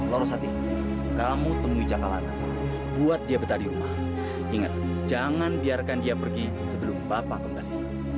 loros hati kamu temui jakalana buat dia betah di rumah ingat jangan biarkan dia pergi sebelum bapak kembali